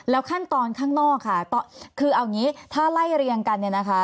ขั้นตอนข้างนอกค่ะคือเอางี้ถ้าไล่เรียงกันเนี่ยนะคะ